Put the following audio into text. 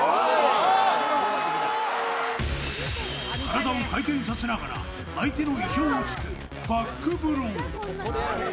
体を回転させながら相手の意表をつくバックブロー。